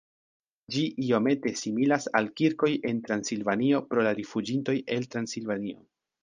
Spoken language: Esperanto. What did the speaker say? Ĝi iomete similas al kirkoj en Transilvanio pro la rifuĝintoj el Transilvanio.